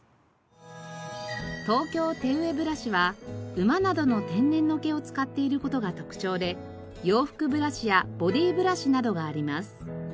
東京手植ブラシは馬などの天然の毛を使っている事が特徴で洋服ブラシやボディーブラシなどがあります。